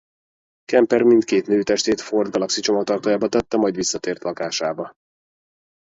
Kemper mindkét nő testét a Ford Galaxie csomagtartójába tette majd visszatért lakásába.